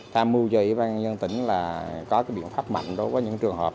tham mưu cho ủy ban nhân tỉnh là có biện pháp mạnh đối với những trường hợp